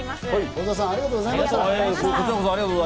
小澤さん、ありがとうございました。